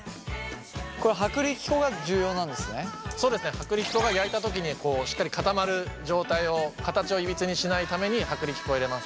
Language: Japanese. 薄力粉が焼いた時にしっかり固まる状態を形をいびつにしないために薄力粉を入れます。